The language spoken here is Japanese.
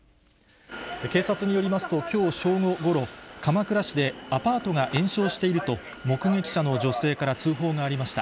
警察によりますと、きょう正午ごろ、鎌倉市でアパートが延焼していると、目撃者の女性から通報がありました。